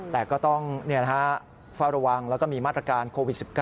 แต่ก็ต้องเฝ้าระวังแล้วก็มีมาตรการโควิด๑๙